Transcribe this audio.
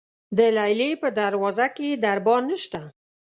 د لیلې په دروازه کې دربان نشته.